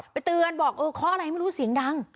เตือนบอกเออเคาะอะไรไม่รู้เสียงดัง